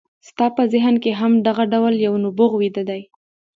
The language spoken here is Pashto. ستاسې په ذهن کې هم دغه ډول یو نبوغ ویده دی